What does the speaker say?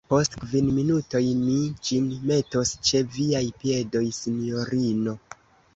Post kvin minutoj mi ĝin metos ĉe viaj piedoj, sinjorino.